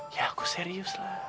ya aku serius lah